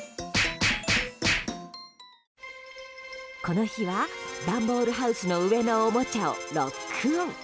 この日は、段ボールハウスの上のおもちゃをロックオン。